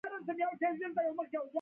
د نانوایی ډوډۍ مبادلوي ارزښت لري.